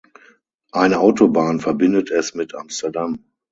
Eine Autobahn verbindet es mit Amsterdam.